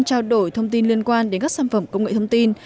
trao đổi thông tin liên quan đến các sản phẩm công nghệ thông tin